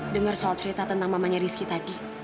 dengar soal cerita tentang mamanya rizky tadi